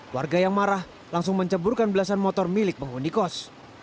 warga yang marah langsung menceburkan belasan motor milik penghuni kos